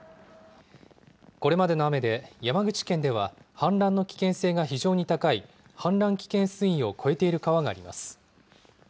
これまでの雨で山口県では氾濫の危険性が非常に高い氾濫危険水位を超えている川があります。